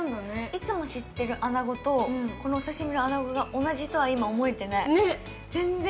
いつも知ってる穴子と、このお刺身の穴子が同じとは今思えてない。